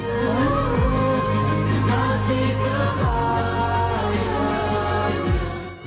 ketika cinta bertaspih